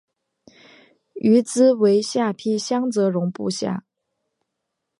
于兹为下邳相笮融部下。